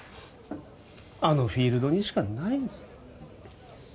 あのフィールドにしかないんです